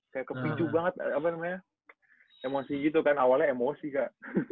kaya kepincu banget emosi gitu kan awalnya emosi kak